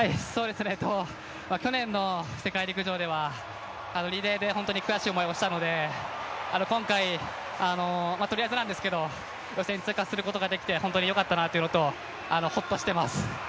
去年の世界陸上では、リレーで本当に悔しい思いをしたので、今回、とりあえずなんですけど、予選通過することができて本当によかったなというのと、ホッとしてます。